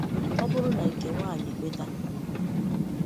Ọ bụrụ na nke nwaanyị kweta